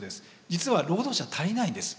実は労働者は足りないんです